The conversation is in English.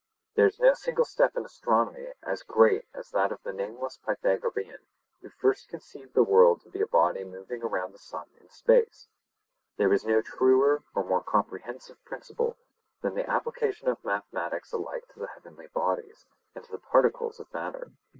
There is no single step in astronomy as great as that of the nameless Pythagorean who first conceived the world to be a body moving round the sun in space: there is no truer or more comprehensive principle than the application of mathematics alike to the heavenly bodies, and to the particles of matter.